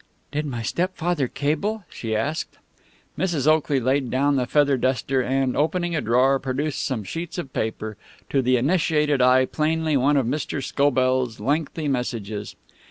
"Did my stepfather cable?" she asked. Mrs. Oakley laid down the feather duster and, opening a drawer, produced some sheets of paper to the initiated eye plainly one of Mr. Scobell's lengthy messages.